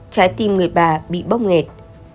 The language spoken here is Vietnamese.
trái tim người bà bị bóp nghẹt